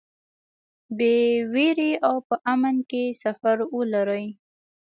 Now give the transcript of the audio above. بې وېرې او په امن کې سفر ولرئ.